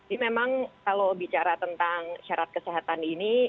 ini memang kalau bicara tentang syarat kesehatan ini